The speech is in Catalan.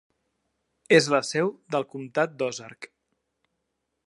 És la seu del comtat d'Ozark.